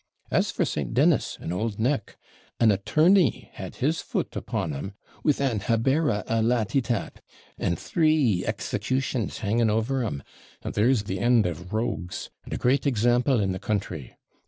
As for St. Dennis and OULD Nick, an attorney had his foot upon em, with an habere a latitat, and three executions hanging over 'em; and there's the end of rogues! and a great example in the country.